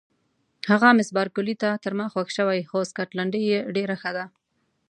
هغه مس بارکلي ته تر ما خوښ شوې، خو سکاټلنډۍ یې ډېره ښه ده.